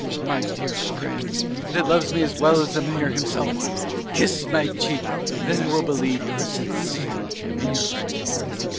_) My dear friend, that loves me as well as the mayor himself, kiss my cheek, and then I will believe you are sincere in your friendship.